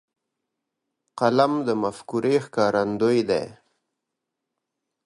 قلم د مفکورې ښکارندوی دی.